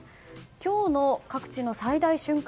今日の各地の最大瞬間